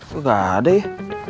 kok gak ada ya